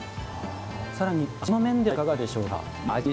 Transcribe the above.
さらに味の面ではいかがでしょうか。